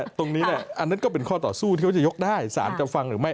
ตรงนี้แหละอันนั้นก็เป็นข้อต่อสู้ที่เขาจะยกได้สารจะฟังหรือไม่